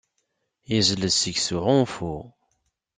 Yezlez seg -s uɣunfu.